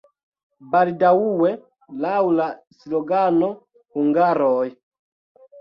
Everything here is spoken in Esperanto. Baldaŭe laŭ la slogano "Hungaroj!